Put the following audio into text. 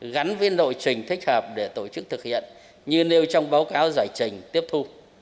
gắn viên nội trình thích hợp để tổ chức thực hiện như nêu trong báo cáo giải trình tiếp thu